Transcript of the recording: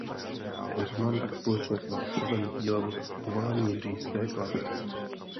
Heřman tak společně s Václavem sdílel uvalení říšské klatby.